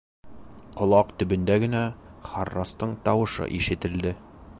Ҡолаҡ төбөндә генә Харрастың тауышы ишетелде.